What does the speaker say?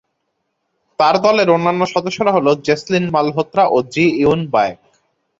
তার দলের অন্যান্য সদস্যরা হলো জেসলিন মালহোত্রা ও জি ইয়ুন বায়েক।